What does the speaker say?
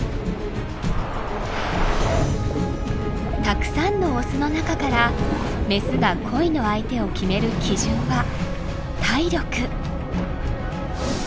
たくさんのオスの中からメスが恋の相手を決める基準は体力。